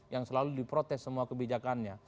yang selalu diprotes semua kebijakannya